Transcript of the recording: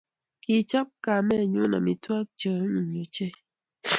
Kachop kamennyu amitwokik che anyinyen ochei.